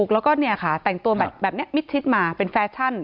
แล้วก็เนี่ยค่ะแต่งตัวแบบนี้มิดชิดมาเป็นแฟชั่น